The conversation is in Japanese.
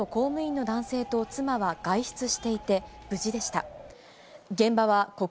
この部屋に住む５９歳の公務員の男性と妻は外出していて、無事でした。